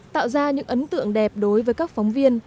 tạo ra những ấn tượng đẹp đối với các phóng viên